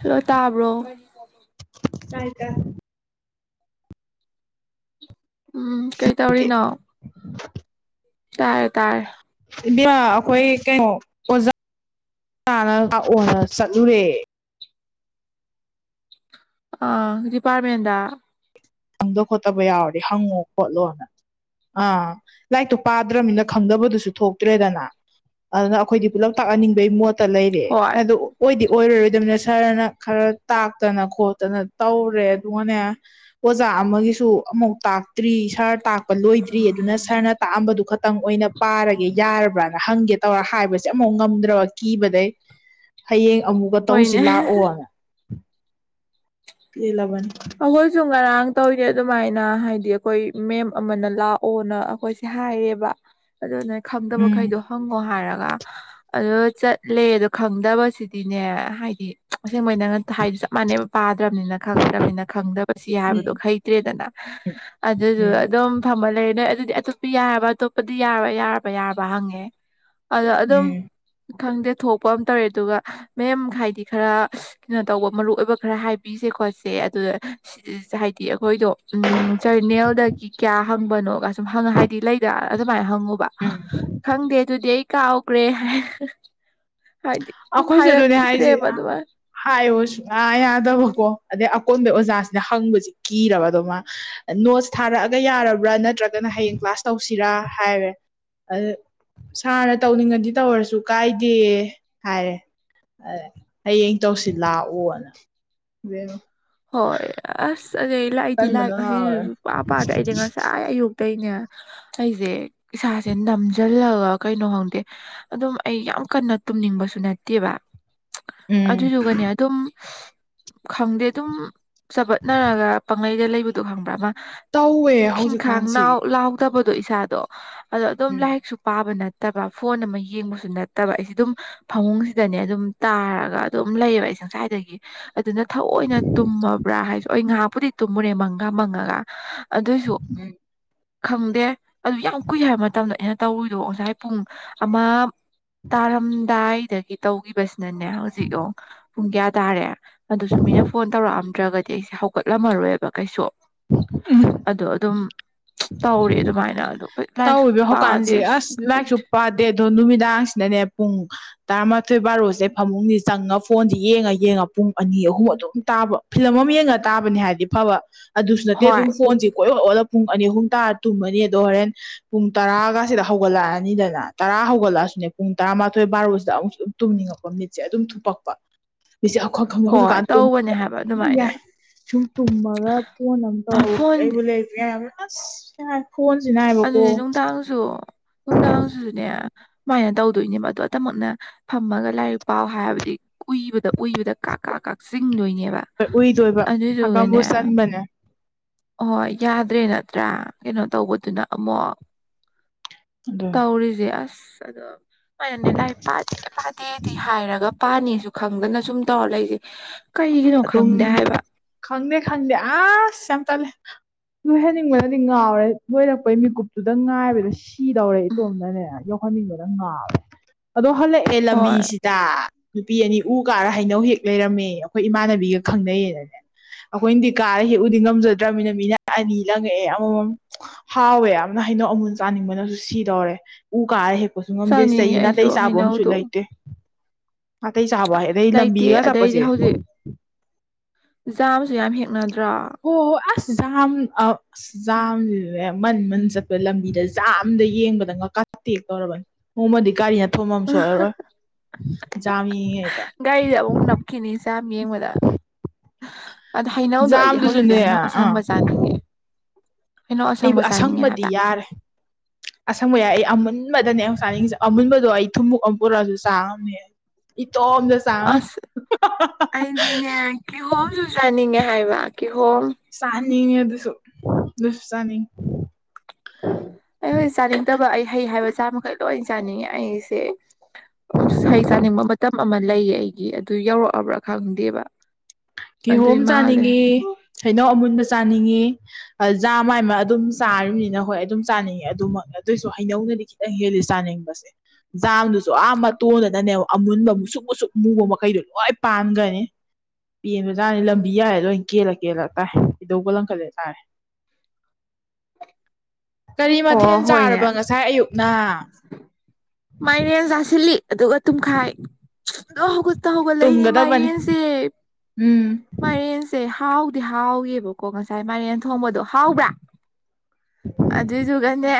ꯍꯥꯜꯂꯣ ꯇꯥꯕ꯭ꯔꯣ ꯇꯥꯔꯦ-ꯇꯥꯔꯦ ꯎꯝ ꯀꯩ ꯇꯧꯔꯤꯅꯣ ꯇꯥꯔꯦ ꯇꯥꯔꯦ ꯏꯕꯦꯝꯃꯥ ꯑꯩꯈꯣꯏ ꯀꯩꯅꯣ ꯑꯣꯖꯥ ꯇꯥꯅ ꯂꯥꯛꯑꯣꯅ ꯆꯠꯂꯨꯔꯦ ꯑ ꯗꯤꯄꯥꯔꯠꯃꯦꯟꯗ ꯈꯪꯗꯕ ꯈꯣꯠꯇꯕ ꯌꯥꯎꯔꯗꯤ ꯍꯪꯉꯣ ꯈꯣꯠꯂꯣꯅ ꯑꯥ ꯂꯥꯏꯔꯤꯛꯇꯣ ꯄꯥꯗ꯭ꯔꯃꯤꯅ ꯈꯪꯗꯕꯗꯨꯁꯨ ꯊꯣꯛꯇ꯭ꯔꯦꯗꯅ ꯑꯗꯨꯅ ꯑꯩꯈꯣꯏꯗꯤ ꯄꯨꯂꯞ ꯇꯥꯛꯍꯟꯅꯤꯡꯕꯩ ꯃꯣꯠꯇ ꯂꯩꯔꯦ ꯍꯣꯏ ꯑꯗꯣ ꯑꯣꯏꯗꯤ ꯑꯣꯏꯔꯔꯣꯏꯗꯃꯤꯅ ꯁꯔꯅ ꯈꯔ ꯇꯥꯛꯇꯅ ꯈꯣꯠꯇꯅ ꯇꯧꯔꯦ ꯑꯗꯨꯒꯅꯦ ꯑꯣꯖꯥ ꯑꯃꯒꯤꯁꯨ ꯑꯃꯨꯛ ꯇꯥꯛ ꯇ꯭ꯔꯤ ꯁꯥꯔ ꯇꯥꯛꯄ ꯂꯣꯏꯗ꯭ꯔꯤ ꯑꯗꯨꯅ ꯁꯥꯔꯅ ꯇꯥꯛꯑꯝꯕꯗꯨ ꯈꯛꯇꯪ ꯑꯣꯏꯅ ꯄꯥꯔꯒꯦ ꯌꯥꯔꯕ ꯕ꯭ꯔꯅ ꯍꯪꯒꯦ ꯇꯧꯔ ꯍꯥꯏꯕꯁꯦ ꯑꯃꯨꯛ ꯉꯝꯗ꯭ꯔꯕ ꯀꯤꯕꯗꯩ ꯍꯌꯦꯡ ꯑꯃꯨꯛꯀ ꯍꯣꯏꯅꯦ ꯇꯧꯁꯤ ꯂꯥꯛꯑꯣꯅ ꯄꯦꯜꯂꯥꯕꯅꯤ ꯑꯩꯈꯣꯏꯁꯨ ꯉꯔꯥꯡ ꯇꯧꯔꯤꯅꯦ ꯑꯗꯨꯃꯥꯏꯅ ꯍꯥꯏꯗꯤ ꯑꯩꯈꯣꯏ ꯃꯦꯝ ꯑꯃꯅ ꯂꯥꯛꯑꯣꯅ ꯑꯩꯈꯣꯏꯁꯦ ꯍꯥꯏꯌꯦꯕ ꯑꯗꯨ ꯅꯣꯏ ꯎꯝ ꯈꯪꯗꯕꯈꯩꯗꯣ ꯍꯪꯉꯣ ꯍꯥꯏꯔꯒ ꯑꯗꯨꯒ ꯆꯠꯂꯦ ꯑꯗꯣ ꯈꯪꯗꯕꯁꯤꯗꯤꯅꯦ ꯍꯥꯏꯗꯤ ꯑꯁꯦꯡꯕꯩ ꯅꯪꯅ ꯍꯥꯏ ꯆꯞ ꯃꯥꯟꯅꯩꯕ ꯄꯥꯗ꯭ꯔꯃꯤꯅ ꯈꯪꯗ꯭ꯔꯃꯤꯅ ꯈꯪꯗꯕꯁꯤ ꯍꯥꯏꯕꯗꯣ ꯎꯝ ꯍꯩꯇ꯭ꯔꯦꯗꯅ ꯑꯗꯨꯗꯨꯒ ꯎꯝ ꯑꯗꯨꯝ ꯐꯝꯃꯥ ꯂꯩꯔꯦ ꯅꯣꯏ ꯑꯗꯨꯗꯤ ꯑꯇꯣꯞꯄ ꯌꯥꯔꯕ ꯑꯇꯣꯞꯄꯗꯤ ꯌꯥꯔꯕ ꯌꯥꯔꯕ ꯍꯪꯉꯦ ꯑꯗꯣ ꯎꯝ ꯑꯗꯨꯝ ꯈꯪꯗꯦ ꯊꯣꯛꯄ ꯑꯃ ꯇꯧꯔꯦ ꯑꯗꯨꯒ ꯃꯦꯝ ꯍꯥꯏꯗꯤ ꯈꯔ ꯀꯩꯅꯣ ꯇꯧꯕ ꯃꯔꯨ ꯑꯣꯏꯕ ꯈꯔ ꯍꯥꯏꯕꯤꯁꯦ ꯈꯣꯠꯁꯦ ꯑꯗꯨ ꯍꯥꯏꯗꯤ ꯑꯩꯈꯣꯏꯗꯣ ꯎꯝ ꯖꯔꯅꯦꯜꯗꯒꯤ ꯀꯌꯥ ꯍꯪꯕꯅꯣꯒ ꯁꯨꯝ ꯍꯪꯉꯥ ꯍꯥꯏꯗꯤ ꯂꯩꯗ ꯑꯗꯨꯃꯥꯏꯅ ꯍꯪꯉꯨꯕ ꯎꯝ ꯈꯪꯗꯦ ꯑꯗꯨꯗꯤ ꯑꯩ ꯀꯥꯎꯈ꯭ꯔꯦ ꯍꯥꯏꯗꯤ ꯑꯗꯨꯝ ꯑꯩꯈꯣꯏꯁꯨ ꯑꯗꯨꯅꯦ ꯍꯥꯏꯁꯦ ꯍꯥꯏꯔꯛꯈꯤꯗ꯭ꯔꯦꯕ ꯑꯗꯨꯃꯥꯏꯅ ꯍꯥꯏꯌꯣ ꯁꯨꯡꯌꯥ ꯌꯥꯗꯕꯀꯣ ꯑꯗꯩ ꯑꯀꯣꯟꯕꯩ ꯑꯣꯖꯥꯁꯤꯅ ꯍꯪꯕꯁꯤ ꯀꯤꯔꯕ ꯑꯗꯣ ꯃꯥ ꯅꯣꯠꯁ ꯊꯥꯔꯛꯑꯒ ꯌꯥꯔꯕ꯭ꯔꯥ ꯅꯠꯇ꯭ꯔꯒꯅ ꯍꯌꯦꯡ ꯀ꯭ꯂꯥꯁ ꯇꯧꯁꯤꯔ ꯍꯥꯏꯔꯦ ꯑꯗꯩ ꯁꯥꯔꯅ ꯇꯧꯅꯤꯡꯉꯥꯗꯤ ꯇꯧꯔꯁꯨ ꯀꯥꯏꯗꯦ ꯍꯥꯏꯔꯦ ꯑꯗꯩ ꯍꯌꯦꯡ ꯇꯧꯁꯤ ꯂꯥꯛꯑꯣꯅ ꯆꯠꯅꯩ ꯂꯥꯛꯏꯗꯤ ꯂꯥꯏꯛ ꯇꯟꯕꯅ ꯉꯥꯎꯔꯦ ꯉꯁꯤꯁꯨ ꯄꯥ ꯄꯥꯗ꯭ꯔ ꯑꯩꯗꯤ ꯉꯁꯥꯏ ꯑꯌꯨꯛ ꯑ ꯑꯇꯩꯅꯦ ꯑꯩꯁꯦ ꯏꯁꯥꯁꯦ ꯅꯝꯁꯤꯜꯂꯒ ꯀꯩꯅꯣ ꯈꯪꯗꯦ ꯑꯗꯨꯝ ꯑꯩ ꯌꯥꯝ ꯛ ꯀꯟꯅ ꯇꯨꯝꯅꯤꯡꯕꯁꯨ ꯅꯠꯇꯦꯕ ꯎꯝ ꯑꯗꯨꯗꯨꯒꯅꯦ ꯑꯗꯨꯝ ꯈꯪꯗꯦ ꯑꯗꯨꯝ ꯆꯄꯠꯅꯔꯒ ꯄꯥꯡꯒꯩꯗ ꯂꯩꯕꯗꯣ ꯍꯪꯕ꯭ꯔꯥ ꯑꯃ ꯇꯧꯋꯦ ꯈꯈꯤꯤꯡ ꯈꯥꯡ ꯍꯧꯖꯤꯛꯀꯥꯟꯁꯤ ꯂꯅꯥꯎ ꯂꯥꯎꯗꯕ ꯑꯗꯣ ꯏꯁꯥꯗꯣ ꯑꯗꯣ ꯑꯗꯨꯝ ꯎꯝ ꯂꯥꯏꯔꯤꯛꯁꯨ ꯄꯥꯕ ꯅꯠꯇꯦ ꯅꯠꯇꯕ ꯐꯣꯟ ꯑꯃ ꯌꯦꯡꯕꯁꯨ ꯅꯠꯇꯕ ꯑꯩꯁꯤꯦ ꯑꯗꯨꯝ ꯐꯃꯨꯡꯁꯤꯗꯅꯦ ꯑꯗꯨꯝ ꯇꯥꯔꯒ ꯑꯗꯨꯝ ꯂꯩꯕꯦ ꯁꯪꯁꯥꯏꯗꯒꯤ ꯑꯗꯨꯅ ꯊꯑꯣꯏꯅ ꯕ꯭ꯔꯥ ꯍꯥꯏ ꯑꯩ ꯉꯥꯏꯍꯥꯛꯄꯨꯗꯤ ꯇꯨꯝꯃꯨꯔꯦ ꯃꯪꯒ ꯃꯪꯉꯒ ꯑꯗꯨꯏꯁꯨ ꯎꯝ ꯈꯪꯗꯦ ꯑꯗꯨ ꯌꯥꯝ ꯀꯨꯏ ꯍꯥꯏꯕ ꯃꯇꯝꯗ ꯑꯩꯅ ꯇꯧꯔꯔꯤꯗꯣ ꯉꯁꯥꯏ ꯄꯨꯡ ꯑꯃ ꯇꯥꯔꯝꯗꯥꯏꯗꯒꯤ ꯇꯧꯈꯤꯕꯁꯤꯅꯅꯦ ꯍꯧꯖꯤꯛ ꯑꯣ ꯄꯨꯡ ꯀꯌꯥ ꯇꯥꯔꯦ ꯑꯗꯨꯁꯨ ꯃꯤꯅ ꯐꯣꯟ ꯇꯧꯔꯛꯑꯝꯗ꯭ꯔꯒꯗꯤ ꯑꯩꯁꯦ ꯍꯧꯒꯠꯂꯝꯃꯔꯣꯏꯕ ꯀꯩꯁꯨ ꯑꯣ ꯑꯗꯨꯝ ꯇꯧꯔꯦ ꯑꯗꯨꯃꯥꯏꯅ ꯑꯗꯣ ꯂꯥꯏꯔꯤꯛꯁꯨ ꯇꯧꯕ ꯄꯥꯗꯦ ꯍꯧꯀꯥꯟꯁꯦ ꯑꯁ ꯂꯥꯏꯥꯛꯁꯨ ꯄꯥꯗꯦ ꯑꯗꯣ ꯅꯨꯃꯤꯗꯥꯡꯁꯤꯅꯅꯦ ꯄꯨꯡ ꯇꯔꯥꯃꯥꯊꯣꯏ ꯕꯥꯔꯣꯁꯦ ꯐꯃꯨꯡꯗꯤ ꯆꯪꯉ ꯐꯣꯟꯁꯤ ꯌꯦꯡꯉ ꯌꯦꯡꯉꯄ ꯄꯨꯡ ꯑꯅꯤ ꯑꯍꯨꯝ ꯑꯗꯨꯝ ꯇꯥꯕ ꯐꯤꯂꯝ ꯑꯃ ꯌꯦꯡꯉꯒ ꯇꯥꯕꯅꯦ ꯍꯥꯏꯕꯗꯤ ꯐꯕ ꯑꯗꯨꯁꯨ ꯅꯠꯇꯦ ꯍꯣꯏ ꯑꯗꯨꯝ ꯐꯣꯟꯁꯦ ꯀꯣꯏ ꯑꯣꯜꯂꯒ ꯄꯨꯡ ꯑꯅꯤ ꯑꯍꯨꯝ ꯇꯨꯝꯃꯅꯤ ꯑꯗꯣ ꯍꯣꯔꯦꯟ ꯄꯨꯡ ꯇꯔꯥꯒꯁꯤꯗ ꯍꯧꯒꯠꯂꯛꯑꯅꯤꯗꯅ ꯇꯔꯥ ꯍꯧꯒꯠꯂꯛꯑꯁꯨꯅꯦ ꯄꯨꯡ ꯇꯔꯥ ꯇꯥꯃꯥꯊꯣꯏ ꯕꯥꯔꯣꯁꯤꯗ ꯑꯃꯨꯛꯁꯨ ꯑꯗꯨꯝ ꯇꯨꯝꯅꯤꯡꯉꯛꯄ ꯃꯤꯠꯁꯦ ꯑꯗꯨꯝ ꯊꯨꯞꯄꯛꯄ ꯃꯤꯁꯦ ꯑꯩꯈꯣꯏ ꯈꯪꯗꯦ ꯍꯣꯏ ꯍꯧꯖꯤꯛꯀꯥꯟ ꯇ ꯇꯧꯕꯅꯦ ꯍꯥꯏꯕ ꯏ ꯑꯗꯨꯃꯥꯏꯅ ꯌꯥꯏ ꯁꯨꯝ ꯇꯨꯝꯃꯒ ꯐꯣꯟ ꯑꯃ ꯇꯧꯔꯦ ꯐꯣꯟ ꯑꯩꯕꯨ ꯂꯩ ꯐꯣꯟꯁꯤꯅꯅꯥ ꯍꯥꯏꯕꯀꯣ ꯅꯨꯡꯗꯥꯡꯁꯤꯁꯨꯅꯦ ꯁꯨꯃꯥꯏꯅ ꯇꯧꯗꯣꯏꯅꯦꯕ ꯑꯗꯣ ꯑꯇꯃꯛꯅ ꯐꯝꯃꯒ ꯂꯥꯏꯔꯤꯛ ꯄꯥꯎ ꯍꯥꯏꯕꯗꯤ ꯀꯨꯏꯕꯗ ꯎꯏꯕꯗ ꯀꯥ ꯀꯥ ꯀꯥ ꯆꯤꯡꯗꯣꯏꯅꯦꯕ ꯎꯏꯗꯣꯏꯕ ꯑꯗꯨꯗꯨꯒꯅꯦ ꯍꯀꯝꯕꯨ ꯆꯟꯕꯅꯦ ꯍꯣꯏ ꯌꯥꯗ꯭ꯔꯦ ꯅꯠꯇ꯭ꯔꯥ ꯀꯩꯅꯣ ꯇꯧꯕꯗꯨꯅ ꯑꯃꯨꯛ ꯑꯗꯨꯅꯦ ꯇꯧꯔꯤꯁꯦ ꯑꯁ ꯑꯗꯣ ꯑꯗꯨꯅꯦ ꯂꯥꯏ ꯄꯥꯗꯦ ꯄꯥꯗꯦꯗꯤ ꯍꯥꯏꯔꯒ ꯄꯥꯅꯤꯁꯨ ꯈꯪꯗꯅ ꯁꯨꯝ ꯇꯧꯔ ꯂꯩꯏꯁꯦ ꯑꯗꯨꯝ ꯈꯪꯗꯦ ꯈꯪꯗꯦ ꯑꯁ ꯌꯥꯝ ꯇꯜꯂꯦ ꯂꯣꯏꯍꯟꯅꯤꯡꯕꯅꯗꯤ ꯉꯥꯎꯔꯦ ꯂꯣꯏꯔꯛꯄꯩ ꯃꯤꯀꯨꯞꯇꯨꯗ ꯉꯥꯏꯕꯗ ꯁꯤꯗꯧꯔꯦ ꯎꯝ ꯏꯇꯣꯝꯅꯅꯦ ꯌꯣꯛꯈꯠ ꯐꯅꯤ ꯑꯣꯏꯔ ꯉ ꯑꯗꯣ ꯍꯜꯂꯛꯑꯦ ꯍꯣꯏ ꯂꯝꯕꯤꯁꯤꯗ ꯅꯨꯄꯤ ꯑꯅꯤ ꯎ ꯀꯥꯔ ꯍꯩꯅꯧ ꯍꯦꯛ ꯂꯩꯔꯝꯃꯦ ꯑꯩꯈꯣꯏ ꯏꯃꯥꯟꯅꯕꯤꯒ ꯈꯪꯅꯩꯌꯦꯅꯅꯦ ꯑꯩꯈꯣꯏꯅꯗꯤ ꯀꯥꯔ ꯍꯦꯛꯎꯗꯤ ꯉꯝꯖꯗ꯭ꯔꯃꯤꯅ ꯃꯤꯅ ꯑꯅꯤ ꯂꯪꯉꯛꯑꯦ ꯑꯃꯃꯝ ꯍꯥꯎꯋꯦ ꯌꯥꯝꯅ ꯍꯩꯅꯣ ꯑꯃꯃꯨꯟ ꯆꯥꯅꯤꯡꯕꯅꯁꯨ ꯁꯤꯗꯧꯔꯦ ꯎ ꯀꯥꯔꯦ ꯍꯦꯛ ꯆꯄꯁꯨ ꯉꯝꯗꯦ ꯆꯥꯅꯤꯡꯉꯦ ꯆꯍꯤ ꯑꯩꯁꯨ ꯅꯥꯇꯩ ꯆꯥꯕ ꯑꯃꯁꯨ ꯍꯩꯅꯧꯗꯣ ꯂꯩꯇꯦ ꯑꯇꯩ ꯆꯥꯕ ꯍꯥꯏ ꯑꯗꯩ ꯂꯩꯇꯦ ꯂꯝꯕꯤꯒ ꯆꯠꯄꯁꯦ ꯆꯥꯕꯁꯨ ꯌꯥꯝ ꯍꯦꯛꯅꯗꯦ ꯑꯣ ꯑꯁꯖꯝ ꯑ ꯑꯖꯝ ꯃꯟ ꯃꯟ ꯆꯠꯄ ꯂꯝꯕꯤꯗ ꯆꯥꯝꯗ ꯌꯦꯡꯕꯗ ꯉꯀꯥ ꯇꯦꯛ ꯇꯧꯔꯕꯅꯤ ꯅꯣꯡꯃꯗꯤ ꯒꯥꯔꯤ ꯊꯨꯝꯝꯁꯨꯔꯣꯏ ꯌꯥꯝꯥꯃꯤꯉꯩꯗ ꯒꯥꯔꯤꯗ ꯑꯃꯨꯛ ꯅꯞꯈꯤꯅꯤ ꯆꯥꯝ ꯌꯦꯡꯕꯗ ꯑꯗ ꯍꯩꯅꯧꯗꯣ ꯑꯩꯗꯤ ꯍꯧꯖꯤꯛꯁꯦ ꯖꯥꯝꯗꯨꯁꯨꯅꯦ ꯍꯩꯅꯧ ꯑꯥ ꯑꯁꯪꯕ ꯆꯥꯅꯤꯡꯉꯦ ꯍꯩꯅꯧ ꯑꯩꯕꯨ ꯑꯁꯪꯕ ꯆꯥꯅꯤꯡꯉꯦ ꯑꯁꯪꯕꯗꯤ ꯍꯥꯏꯕ ꯌꯥꯔꯦ ꯑꯁꯪꯕ ꯌꯥꯏ ꯑꯩꯟ ꯨꯟꯕꯗꯅꯦ ꯑꯩꯛ ꯆꯥꯅꯤꯡꯉꯁꯦ ꯑꯃꯨꯟꯕꯗꯣ ꯑꯩ ꯊꯨꯝꯃꯨꯣꯛ ꯑꯃ ꯄꯨꯔꯛꯑꯁꯨ ꯆꯥꯝꯃꯦ ꯑꯁ ꯑꯩꯗꯤꯅꯦ ꯀꯤꯍꯣꯝꯁꯨ ꯆꯥꯅꯤꯡꯉꯦ ꯍꯥꯏꯕ ꯇꯩ ꯍꯣꯜ ꯅꯅꯦ ꯑ ꯑꯗꯨꯁꯨ ꯂꯁꯅꯤ ꯑꯩ ꯍꯧꯖꯤꯛ ꯆꯥꯅꯤꯡꯗꯕ ꯑꯩ ꯍꯩ ꯍꯥꯏꯕ ꯆꯥꯃꯩ ꯂꯣꯏ ꯆꯥꯅꯤꯡꯉꯦ ꯑꯩꯁꯦ ꯎ ꯍꯩ ꯆꯥꯅꯤꯡꯕ ꯃꯇꯝ ꯑꯃ ꯂꯩꯌꯦ ꯑꯩꯒꯤ ꯑꯗꯨ ꯌꯧꯔꯛꯑꯕ꯭ꯔꯥ ꯈꯪꯗꯦꯕ ꯀꯤꯍꯣꯝ ꯑꯗꯨꯏ ꯃꯥꯜꯂꯦ ꯆꯥꯅꯤꯡꯉꯤ ꯍꯥꯏꯩꯅꯧ ꯑꯃꯨꯟꯕꯁꯦ ꯆꯥꯅꯤꯡꯉꯦ ꯖꯥ ꯃꯥꯏꯃ ꯑꯗꯨꯝ ꯆꯥꯔꯤꯕꯅꯤꯅ ꯍꯣꯏ ꯑꯗꯨꯝ ꯆꯥꯅꯤꯡꯉꯦ ꯑꯗꯨꯃꯛꯅ ꯑꯗꯨꯏꯁꯨ ꯍꯩꯅꯧꯗ ꯦꯗꯤ ꯆꯥꯅꯤꯡꯕꯁꯦ ꯖꯥꯝꯗꯨꯁꯨ ꯌꯥꯝ ꯃꯇꯣꯟꯗꯅꯅꯦꯕ ꯑꯃꯨꯟꯕ ꯃꯨꯁꯨꯛ ꯃꯨꯁꯨꯛ ꯃꯨꯕ ꯃꯈꯩꯗꯣ ꯂꯣꯏ ꯄꯥꯟꯒꯅꯤ [unintelligible] ꯄꯦꯟꯕꯖꯥꯅꯤ ꯂꯝꯕꯤ ꯌꯥꯔꯦ ꯂꯣꯏ ꯀꯦꯜꯂ ꯀꯦꯜꯂ ꯇꯥꯏ ꯏꯩꯗꯧꯕ ꯂꯪꯈꯠꯂꯦ ꯇꯥꯔꯦ ꯀꯔꯤ ꯃꯊꯦꯜ ꯆꯥꯔꯕ ꯉꯁꯥꯏ ꯑꯌꯨꯛꯅ ꯃꯥꯏꯅꯦꯦꯟ ꯆꯥꯁꯤꯜꯂꯤ ꯑꯗꯨꯒ ꯇꯨꯝꯈꯥꯏ ꯍꯧꯒꯠꯂꯛꯏꯅꯦ ꯇꯨꯝꯒꯗꯕꯅꯤ ꯃꯥꯏꯔꯦꯟꯁꯦ ꯎꯝ ꯃꯥꯏꯔꯦꯟꯁꯦ ꯍꯥꯎꯗꯤ ꯍꯥꯎꯋꯦꯕꯀꯣ ꯉꯁꯥꯏ ꯃꯔꯦꯟ ꯊꯣꯡꯕꯗꯣ ꯍꯥꯎꯕ꯭ꯔꯥ ꯑꯗꯁꯨꯨꯒꯅꯦꯦ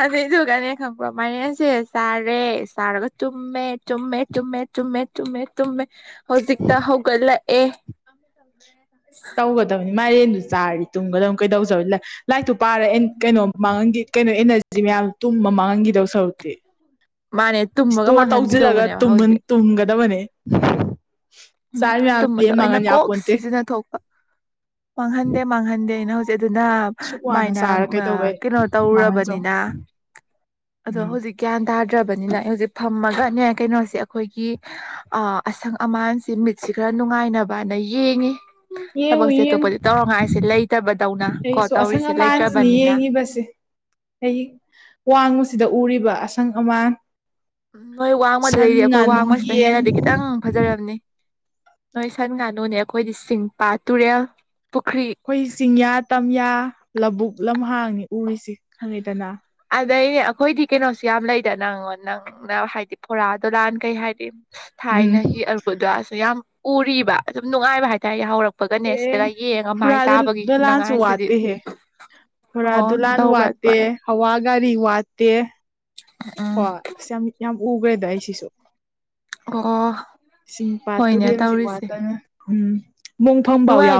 ꯑ ꯑꯗꯨꯒꯅꯦ ꯈꯪꯕ꯭ꯔꯣ ꯃꯅꯦꯁꯦ ꯆꯥꯔꯦ ꯆꯥꯔꯒ ꯇꯨꯝꯃꯦ ꯇꯨꯝꯃꯦ ꯇꯨꯝꯃꯦ ꯇꯨꯝꯃꯦꯨꯝꯃꯦ ꯇꯨꯝꯃꯦ ꯍꯧꯖꯤꯛꯛꯇ ꯍꯒꯂ ꯑꯦ ꯇꯧꯒꯗꯦ ꯃꯥꯏꯔꯦꯟꯗꯨ ꯆꯥꯔꯗꯤ ꯇꯨꯡꯒꯗ ꯀꯩꯗꯧ ꯂꯥꯏꯔꯤꯛꯇꯨ ꯄꯥꯔ ꯀꯩꯅꯣ ꯃꯥꯡꯟꯒꯤ ꯀꯩꯅꯣ ꯑꯦꯅꯔꯖꯤ ꯀ ꯇꯨꯝꯕ ꯃꯥꯡꯈꯤꯗꯧ ꯁꯔꯨꯛꯇꯦ ꯃꯥꯅꯦ ꯇꯨꯝꯃꯒ ꯏꯁꯇꯣꯔ ꯇꯧꯁꯤꯜꯂꯒ ꯃꯥꯡꯍꯟꯈꯤꯗꯧꯕꯅꯦꯕ ꯍꯧꯖꯤꯛ ꯇꯨꯝꯒꯗꯕꯅꯦ ꯆꯥꯔꯤ ꯃꯌꯥꯝ ꯇꯨꯝꯕꯗ ꯂꯦꯝ ꯑ ꯑꯣꯏꯅ ꯃꯥꯡꯍꯟ ꯀꯣꯛꯁ ꯌꯥꯄꯣꯟꯇꯦ ꯁꯤꯖꯤꯟꯅꯊ ꯊꯣꯛꯄ ꯃꯥꯡꯍꯟꯗꯦ ꯃꯥꯡꯍꯟꯗꯦ ꯑꯩꯅ ꯍꯧꯖꯤꯛ ꯑꯗꯨꯅ ꯁꯨꯛ ꯋꯥꯅ ꯃꯥꯏꯅ ꯆꯥꯔ ꯀꯩꯗꯧꯕꯩ ꯀꯩꯅꯣ ꯃꯥꯡꯍꯟ ꯆꯧ ꯇꯧꯔꯕꯅꯤꯅ ꯑꯗꯣ ꯎꯝ ꯍꯧꯖꯤꯛ ꯀꯗ ꯠꯇ꯭ꯔꯕꯅꯤꯅ ꯍꯧꯖꯤꯛ ꯐꯝꯃꯒꯅꯦ ꯀꯩꯅꯣꯁꯦ ꯑꯩꯈꯣꯏꯒꯤ ꯑꯁꯪ ꯑꯃꯥꯟ ꯁꯤ ꯃꯤꯠꯁꯤꯦ ꯈꯔ ꯅꯨꯡꯉꯥꯏꯅꯕꯅ ꯌꯦꯡꯉꯤ ꯌꯦꯡꯉꯨ ꯊꯕꯛꯁꯦ ꯌꯦꯡꯉꯨ ꯑꯇꯣꯞꯄꯗꯤ ꯇꯧꯔꯉꯥꯏꯁꯦ ꯂꯩꯇꯕꯗꯧꯅ ꯀꯣ ꯑꯩꯁꯨ ꯇꯧꯔꯤꯁꯦ ꯂꯩꯇ꯭ꯔꯕꯅꯤꯅ ꯍ ꯋꯥꯡꯕꯁꯤꯗ ꯎꯔꯤꯕ ꯑꯁꯪ ꯑꯃꯥꯟ ꯎꯝ ꯅꯣꯏ ꯁꯟ ꯋꯥꯡꯃꯗꯗꯒꯤꯩꯗꯤ ꯑꯩꯈꯣꯏ ꯉꯥꯅꯨ ꯋꯥꯡꯕꯁꯤꯅ ꯌꯦꯟ ꯍꯦꯟꯅꯗꯤ ꯈꯤꯇꯪ ꯑꯩꯈꯣꯏ ꯐꯖꯔꯝꯅꯤ ꯅꯣꯏ ꯁꯟ ꯉꯥꯅꯨꯅꯦ ꯑꯩꯈꯣꯏꯗꯤ ꯆꯤꯡ ꯄꯥꯠ ꯇꯨꯔꯦꯜ ꯄꯨꯈ꯭ꯔꯤ ꯑꯩꯈꯣꯏ ꯆꯤꯡꯌꯥ ꯇꯝꯌꯥ ꯂꯧꯕꯕꯨꯛ ꯂꯝꯍꯥꯡꯅꯤ ꯎꯔꯤꯁꯦ ꯈꯪꯉꯤꯗꯅ ꯑꯗꯩꯅꯦ ꯑꯩꯈꯣꯏꯗꯤ ꯀꯩꯅꯣꯁꯨ ꯌꯥꯝ ꯂꯩꯗ ꯅꯪꯉꯣꯟ ꯅꯪꯅ ꯍꯥꯏꯗꯤ ꯐꯣꯔꯥ ꯗꯨꯂꯥꯟ ꯀꯩ ꯍꯥꯏꯗꯤ ꯎꯝ ꯊꯥꯏꯅꯒꯤ ꯑꯔꯨꯗꯣ ꯑꯁꯨ ꯌꯥꯝ ꯎꯔꯤꯕ ꯑꯗꯨꯝ ꯅꯨꯡꯉꯥꯏꯕ ꯍꯥꯏꯇꯥꯔꯦ ꯍꯧꯔꯛꯄ ꯐꯨꯔꯥꯗ ꯗꯂꯜꯆ ꯈꯨꯅꯉꯥꯏꯁꯤꯗꯤ ꯑꯇ ꯍ ꯊꯔꯥ ꯑꯣ ꯗꯨꯂꯥꯟ ꯇꯧꯕ꯭ꯔꯥ ꯋꯥꯇꯦ ꯑꯗꯨꯃꯥꯏꯅ ꯍꯋꯥꯒꯔꯤ ꯋꯥꯇꯦ ꯎꯝ ꯍꯣꯏ ꯑꯁ ꯌꯥꯝ ꯌꯥꯝ ꯎꯈ꯭ꯔꯦꯗ ꯑꯩꯁꯤꯁꯨ ꯑꯣ ꯏꯁꯤꯡ ꯄꯥꯠ ꯍꯣꯏꯅꯦ ꯇꯨꯔꯦꯜꯁꯤ ꯋꯥꯗꯅ ꯊꯨꯝ ꯅꯨꯡꯥꯏ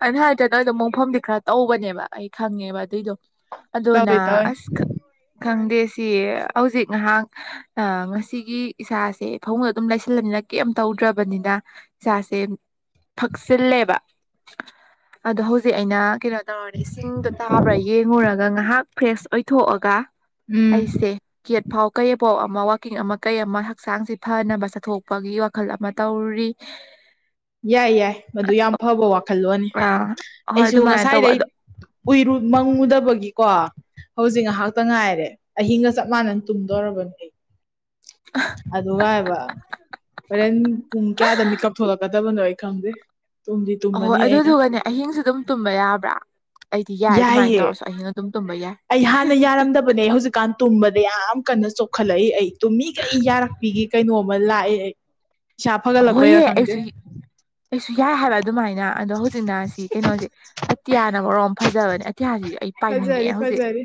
ꯑ ꯍꯥꯏ ꯅꯣꯏꯗꯣ ꯃꯣꯡꯐꯝꯗꯤ ꯈꯔ ꯇꯧꯕꯅꯦꯕ ꯑꯩ ꯈꯪꯉꯦꯕ ꯑꯗꯨꯏꯗꯣ ꯑꯗꯨꯅ ꯇꯧꯋꯦ ꯇꯧꯋꯦ ꯑꯁ ꯈꯪꯗꯦ ꯁꯤ ꯍꯧꯖꯤꯛ ꯉꯥꯏꯍꯥꯛ ꯉꯁꯤꯒꯤ ꯏꯁꯥꯁꯦ ꯐꯃꯨꯡꯗ ꯑꯗꯨꯝ ꯂꯩꯁꯤꯜꯂꯅꯤꯅ ꯀ ꯌꯥꯝ ꯇꯧꯗ꯭ꯔꯕꯅꯤꯅ ꯏꯁꯥꯁꯦ ꯊꯛꯆꯤꯜꯂꯦꯕ ꯑꯗꯣ ꯍꯧꯖꯤꯛ ꯑꯩꯅ ꯀꯩꯅꯣ ꯇꯧꯔꯅꯦ ꯏꯁꯤꯡꯗꯣ ꯇꯥꯕ꯭ꯔꯥ ꯌꯦꯡꯉꯨꯔꯒ ꯉꯥꯏꯍꯥꯛ ꯐ꯭ꯔꯦꯁ ꯑꯣꯏꯊꯣꯛꯑꯒ ꯎꯝ ꯑꯩꯁꯦ ꯀꯦꯠ ꯄꯥꯎ ꯀꯩꯐꯥꯎ ꯑꯃ ꯋꯥꯛꯀꯤꯡ ꯑꯃ ꯀꯩ ꯑꯃ ꯍꯛꯆꯥꯡꯁꯤ ꯐꯅꯕ ꯆꯠꯊꯣꯛꯄꯒꯤ ꯋꯥꯈꯜ ꯑꯃ ꯇꯧꯔꯤ ꯌꯥꯏ ꯌꯥꯏ ꯃꯗꯨ ꯌꯥꯝ ꯐꯕ ꯋꯥ ꯈꯜꯂꯣꯅꯤ ꯑꯥ ꯍꯣꯏ ꯑꯩꯁꯨ ꯑꯗꯨꯃꯥꯏꯅ ꯉꯁꯥꯏꯗ ꯇꯧꯕ ꯎꯏꯔꯨ ꯃꯪꯉꯨꯗꯕꯒꯤ ꯀꯣ ꯍꯧꯖꯤꯛ ꯉꯥꯏꯍꯥꯛꯇ ꯉꯥꯏꯔꯦ ꯑꯍꯤꯡꯒ ꯆꯞ ꯃꯥꯟꯅꯅ ꯇꯨꯝꯗꯧꯔꯕꯅꯦ ꯑꯩ ꯑꯗꯨꯒ ꯍꯥꯏꯕ ꯍꯣꯔꯦꯟ ꯄꯨꯡ ꯀꯌꯥꯗ ꯃꯤꯠ ꯀꯛꯊꯂ ꯋꯥꯏ ꯈꯝꯦ ꯑꯍꯣꯏ ꯑꯗꯨꯗꯨꯒꯅꯦ ꯑꯍꯤꯡꯁꯨ ꯑꯗꯨꯝ ꯇꯨꯝꯕ ꯌꯥꯕ꯭ꯔꯥ ꯑꯩꯗꯤ ꯌꯥꯏ ꯑꯗꯨꯃꯥꯏꯅ ꯌꯥꯏꯌꯦ ꯇꯧꯔꯁꯨ ꯑꯍꯤꯡ ꯇꯨꯝꯕ ꯌꯥꯏ ꯑꯩ ꯍꯥꯟꯅ ꯌꯥꯔꯝꯗꯕꯅꯦ ꯍꯧꯖꯤꯛꯀꯥꯟ ꯇꯨꯝꯕꯗ ꯌꯥꯝ ꯀꯟꯅ ꯆꯣꯛꯈꯠꯂꯛꯏ ꯑꯩ ꯇꯨꯝꯃꯤꯒꯩ ꯑꯩ ꯌꯥꯔꯛꯄꯤꯒꯦ ꯀꯩꯅꯣꯝꯃ ꯂꯥꯛꯑꯦ ꯑꯩ ꯏꯁꯥ ꯐꯒꯠꯂꯛꯄꯩꯔꯥ ꯍꯣꯏꯑ ꯈꯪꯗꯦ ꯑꯩꯁꯨ ꯑꯩꯁꯨ ꯌꯥꯏ ꯍꯥꯏꯕ ꯑꯗꯨꯃꯥꯏꯅ ꯑꯗꯣ ꯍꯧꯖꯤꯛꯅ ꯁꯤ ꯀꯩꯅꯣꯁꯦ ꯑꯇꯤꯌꯥꯅꯒꯔꯣ ꯐꯖꯕꯅꯦ ꯏꯇꯤꯍꯁꯤ ꯑꯩ ꯐꯖꯔꯤ ꯄꯥꯏꯅꯤꯡꯉꯛꯑꯦ ꯍꯧꯖꯤꯛ ꯐꯖꯔꯤ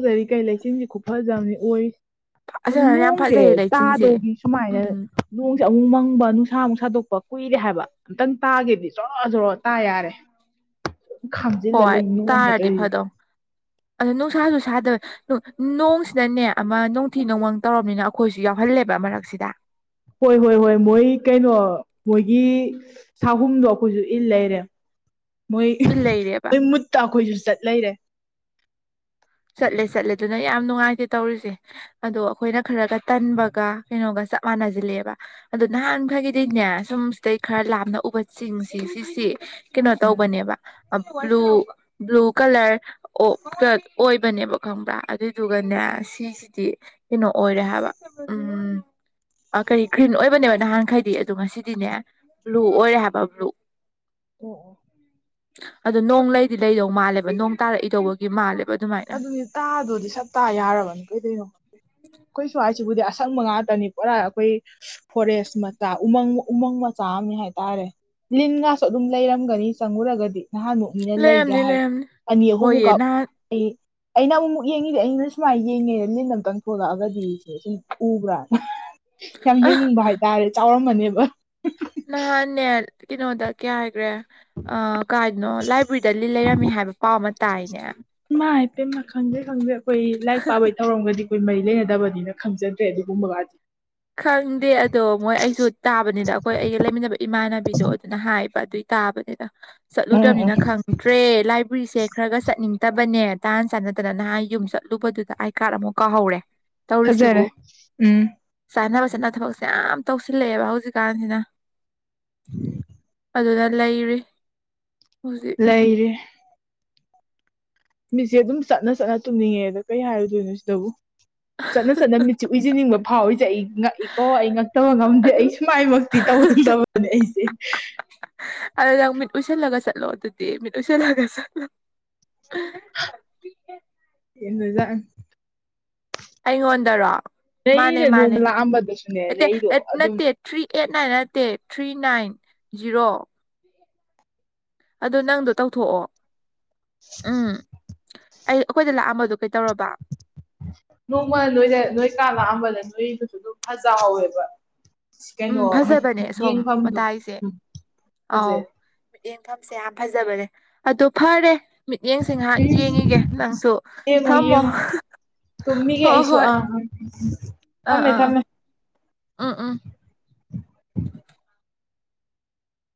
ꯐꯖꯔꯤ ꯀꯩ ꯂꯩꯆꯤꯟꯁꯤ ꯈꯨꯐꯖꯕꯅꯤ ꯑꯣꯏ ꯐꯖꯅ ꯌꯥꯝ ꯅꯣꯡꯁꯦ ꯐꯖꯩꯌꯦ ꯂꯩꯆꯤꯟꯁꯦ ꯇꯥꯗꯧꯒꯤ ꯁꯨꯃꯥꯏꯅ ꯎꯝ ꯂꯣꯡꯁꯦ ꯑꯃꯨꯛ ꯃꯪꯕ ꯅꯨꯡꯁꯥ ꯏꯁꯥꯃꯨꯛ ꯁꯥꯗꯣꯛꯄ ꯀꯨꯏꯔꯦ ꯍꯥꯏꯕ ꯑꯝꯇꯪ ꯇꯥꯒꯦꯗꯤ ꯣꯔ ꯖꯔ ꯇꯥ ꯌꯥꯔꯦ ꯈꯥꯝꯖꯤꯜꯂ ꯍꯣꯏ ꯂꯩ ꯅꯣꯡꯅꯦ ꯇꯥꯔꯗꯤ ꯇꯧꯔꯤꯁꯦ ꯐꯗꯣ ꯑꯗꯨꯅꯨꯡ ꯁꯥꯁꯨ ꯁꯥꯗꯕ ꯅꯣꯡꯁꯤꯅꯅꯦ ꯑꯃ ꯅꯣꯡꯊꯤ ꯅꯣꯡꯃꯪ ꯇꯧꯔꯕꯅꯤꯅ ꯑꯩꯈꯣꯏꯁꯨ ꯌꯥꯎꯍꯜꯂꯦꯕ ꯃꯔꯛꯁꯦ ꯗ ꯍꯣꯏ ꯍꯣꯏ ꯍꯣꯏ ꯃꯣꯏ ꯀꯩꯅꯣ ꯃꯣꯏꯒꯤ ꯁꯥꯍꯨꯝꯗꯣ ꯑꯩꯈꯣꯏꯁꯨ ꯏꯜ ꯂꯩꯔꯦ ꯃꯣꯏ ꯏꯜ ꯂꯩꯔꯦꯕ ꯃꯣꯏ ꯃꯨꯠꯇ ꯑꯩꯈꯣꯏꯁꯨ ꯆꯠ ꯂꯩꯔꯦ ꯆꯠꯂꯦ ꯆꯠꯂꯦ ꯑꯗꯨꯅ ꯌꯥꯝ ꯅꯨꯡꯉꯥꯏꯇꯦ ꯇꯧꯔꯤꯁꯦ ꯑꯗꯣ ꯑꯩꯈꯣꯏꯅ ꯈꯔꯒ ꯇꯟꯕꯒ ꯀꯩꯅꯣꯒ ꯆꯞ ꯃꯥꯟꯅꯁꯤꯜꯂꯑꯦꯕ ꯑꯗꯨꯗ ꯅꯍꯥꯟꯈꯒꯤꯗꯤꯅꯦ ꯁꯨꯝ ꯁꯤꯗꯩ ꯈꯔ ꯂꯥꯞꯅ ꯎꯕ ꯆꯤꯡꯁꯤ ꯁꯤꯁꯤ ꯀꯩꯅꯣ ꯎꯝ ꯇꯧꯕꯅꯦꯕ ꯕ꯭ꯂꯨ ꯕ꯭ꯂꯨ ꯀꯂꯔ ꯑꯣ ꯑꯣꯏꯕꯅꯦꯕ ꯈꯪꯕ꯭ꯔꯥ ꯑꯗꯨꯏꯗꯨꯒꯅꯦ ꯁꯤꯁꯤꯗꯤ ꯀꯩꯅꯣ ꯑꯣꯏꯔꯦ ꯍꯥꯏꯕ ꯎꯝ ꯀꯔꯤ ꯒ꯭ꯔꯤꯟ ꯑꯣꯏꯕꯅꯦꯕ ꯅꯍꯥꯟꯈꯩꯗꯤ ꯑꯗꯣ ꯉꯁꯤꯗꯤꯅꯦ ꯕ꯭ꯂꯨ ꯑꯣꯏꯔꯦ ꯍꯥꯏꯕ ꯕ꯭ꯂꯨ ꯑꯣ ꯑꯣ ꯑ ꯅꯣꯡ ꯂꯩꯗꯤ ꯂꯩꯗꯧ ꯃꯥꯜꯂꯦꯕ ꯅꯣꯡ ꯇꯥꯔꯛꯏꯗꯧꯕꯒꯤ ꯃꯥꯜꯂꯦꯕ ꯑꯗꯨꯃꯥꯏꯅ ꯑꯗꯨꯗꯤ ꯇꯥꯗꯣꯗꯤ ꯁꯞ ꯇꯥ ꯌꯥꯔꯕꯅ ꯀꯩꯗꯅꯣ ꯈꯦ ꯀꯩꯁꯨ ꯍꯥꯏꯏ ꯁꯤꯕꯨꯗꯤ ꯑꯁꯪꯕ ꯉꯥꯛꯇꯅꯤ ꯄꯨꯔꯥ ꯑꯩꯈꯣꯏ ꯐꯣꯔꯦꯁ ꯃꯆꯥ ꯎꯃꯪ ꯎꯃꯪ ꯃꯆꯥ ꯑꯃ ꯍꯥꯏꯇꯥꯔꯦ ꯂꯤꯟ ꯉꯁꯨ ꯑꯗꯨꯝ ꯂꯩꯔꯝꯒꯅꯤ ꯆꯪꯉꯨꯔꯒꯗꯤ ꯅꯍꯥꯟ ꯅꯣꯛꯅꯤꯅ ꯂꯩꯒ ꯂꯩꯔꯝꯅꯤ ꯍꯥꯏ ꯂꯩꯔꯝꯅꯤ ꯑꯅꯤ ꯍꯣꯏꯌꯦ ꯑꯍꯨꯝꯃꯨꯛꯀ ꯅꯍꯥꯟ ꯑꯩ ꯑꯩꯅ ꯑꯃꯨꯛꯨꯛ ꯌꯦꯡꯉꯤꯗꯦ ꯑꯩꯅ ꯁꯨꯃꯥꯏꯅ ꯌꯦꯡꯉꯦꯗ ꯅꯦꯟ ꯑꯃꯝꯇꯪ ꯊꯣꯛꯂꯛꯑꯒꯗꯤ ꯁꯦ ꯁꯨꯝ ꯎꯕ꯭ꯔꯥ ꯌꯥꯝ ꯌꯦꯡꯅꯤꯡꯕ ꯍꯥꯏꯇꯥꯔꯦ ꯆꯥꯎꯔꯃꯅꯦꯕ ꯅꯍꯥꯟꯅꯦ ꯀꯩꯅꯣꯗ ꯀꯌꯥ ꯍꯥꯏꯈ꯭ꯔꯦ ꯑ ꯀꯥꯏꯅꯣ ꯂꯥꯏꯕ꯭ꯔꯦꯔꯤꯗ ꯂꯤ ꯂꯩꯔꯝꯃꯤ ꯍꯥꯏꯕ ꯄꯥꯎ ꯑꯃ ꯇꯥꯏꯅꯦ ꯃꯥ ꯍꯥꯏꯐꯦ ꯃꯥ ꯈꯪꯗꯦ ꯈꯪꯗꯦ ꯑꯩꯈꯣꯏ ꯂꯥꯏꯔꯤꯛ ꯄꯥꯕꯒꯤ ꯊꯧꯔꯝꯒꯗꯤ ꯑꯩꯈꯣꯏ ꯃꯔꯤ ꯂꯩꯅꯗꯕꯅꯤꯅ ꯈꯪꯖꯗ꯭ꯔꯦ ꯑꯗꯨꯒꯨꯝꯕꯒꯗꯤ ꯈꯪꯗꯦ ꯑꯗꯣ ꯃꯣꯏ ꯑꯩꯁꯨ ꯇꯥꯕꯅꯤꯗ ꯑꯩꯈꯣꯏ ꯑꯩꯒ ꯂꯩꯃꯤꯟꯅꯕ ꯏꯃꯥꯟꯅꯕꯤꯗꯣ ꯑꯗꯨꯅ ꯍꯥꯏꯕ ꯑꯗꯨꯏ ꯇꯥꯕꯅꯦꯗ ꯎꯝ ꯎꯝ ꯆꯠꯂꯨꯗ꯭ꯔꯕꯅꯤꯅ ꯈꯪꯗ꯭ꯔꯦ ꯂꯥꯏꯕ꯭ꯔꯦꯔꯤꯁꯦ ꯈꯔ ꯈ ꯆꯠꯅꯤꯡ ꯐꯠꯇꯕꯅꯦ ꯇꯥꯍꯥꯟ ꯆꯥꯟꯅꯗꯅ ꯅꯍꯥꯟ ꯌꯨꯝ ꯆꯠꯂꯨꯕꯗꯨꯗ ꯑꯥꯏ ꯀꯥꯔꯗ ꯑꯃꯨꯛ ꯀꯥꯎꯍꯧꯔꯦ ꯐꯖꯔꯦ ꯎꯝ ꯀꯥꯟꯅꯕꯁꯤꯅ ꯊꯕꯛꯁꯦ ꯌꯥꯝ ꯇꯧꯁꯤꯜꯂꯛꯑꯦꯕ ꯍꯧꯖꯤꯛꯀꯥꯟꯁꯤꯅ ꯎꯝ ꯑꯗꯨꯗ ꯂꯩꯔꯤ ꯍꯧꯖꯤꯛ ꯂꯩꯏꯔꯦ ꯃꯤꯁꯦ ꯑꯗꯨꯝ ꯆꯠꯅ ꯆꯠꯅ ꯇꯨꯝꯅꯤꯡꯉꯦ ꯑꯗ ꯀꯩ ꯍꯥꯏꯔꯨꯗꯣꯏꯅꯣ ꯁꯤꯗꯕꯨ ꯆꯠꯅ ꯆꯠꯅ ꯃꯤꯆꯤ ꯎꯏꯖꯅꯤꯡꯕ ꯐꯥꯎꯋꯔꯤꯁꯦ ꯑꯩ ꯉꯛꯏꯀꯣ ꯑꯩ ꯉꯛꯇꯕ ꯉꯝꯗꯦ ꯑꯗꯨ ꯑꯩ ꯁꯨꯃꯥꯏꯃꯛꯇꯤ ꯇꯧꯍꯟꯗꯕꯅꯦ ꯑꯩꯁꯦ ꯑꯗꯨ ꯅꯪ ꯃꯤꯠ ꯎꯏꯁꯤꯜꯂꯒ ꯆꯠꯂꯣ ꯑꯗꯨꯗꯤ ꯃꯤꯠ ꯎꯏꯁꯜꯂꯒ ꯆꯠꯂꯣ ꯏꯖ ꯑꯩꯉꯣꯟꯗꯔꯣ ꯃꯥꯅꯦ ꯂꯩꯗ ꯃꯥꯅꯦ ꯅꯣꯡꯃ ꯂꯥꯛꯑꯝꯕꯗꯁꯨꯅꯦ ꯂꯩꯗꯣ ꯑꯗꯨꯝ ꯅꯠꯇꯦ ꯊ꯭ꯔꯤ ꯑꯦꯠ ꯅꯥꯏꯟ ꯅꯠꯇꯦ ꯊ꯭ꯔꯤ ꯅꯥꯏꯟ ꯖꯤꯔꯣ ꯑꯗꯨ ꯅꯪꯗꯣ ꯇꯧꯊꯣꯛꯑꯣ ꯎꯝ ꯑꯩ ꯑꯩꯈꯣꯏꯗ ꯂꯥꯛꯑꯝꯕꯗꯣ ꯀꯩ ꯇꯧꯔꯕ ꯅꯣꯡꯃ ꯅꯣꯏꯗ ꯅꯣꯏ ꯀꯥ ꯂꯥꯛꯑꯝꯕꯅ ꯅꯣꯏꯗꯨꯁꯨ ꯑꯗꯨꯝ ꯐꯖꯍꯧꯋꯦꯕ ꯎꯝ ꯀꯩꯅꯣ ꯐꯖꯕꯅꯦ ꯁꯣꯝ ꯌꯦꯡꯐꯝꯗꯨ ꯃꯇꯥꯏꯁꯦ ꯑꯥꯎ ꯐꯖꯩ ꯌꯦꯡꯐꯝꯁꯦ ꯌꯥꯝ ꯐꯖꯕꯅꯦ ꯑꯗꯣ ꯐꯔꯦ ꯃꯤꯠꯌꯦꯡꯁꯤ ꯉꯍꯥꯛ ꯌꯦꯡꯉꯤꯒꯦ ꯅꯪꯁꯨ ꯊꯝꯃꯣ ꯇꯨꯝꯃꯤꯒ ꯍꯣꯏ ꯑꯁ ꯍꯣꯏ ꯑ ꯑꯥ ꯑꯥꯥ ꯎꯝ ꯎꯝ